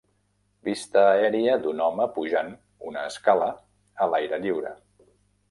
Vista aèria d'un home pujant una escala a l'aire lliure